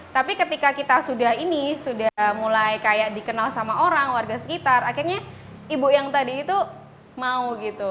tapi ketika kita sudah ini sudah mulai kayak dikenal sama orang warga sekitar akhirnya ibu yang tadi itu mau gitu